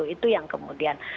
itu yang kemudian